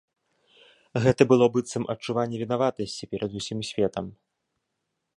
Гэта было быццам адчуванне вінаватасці перад усім светам.